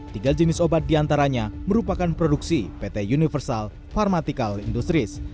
tiga jenis obat diantaranya merupakan produksi pt universal pharmatical industries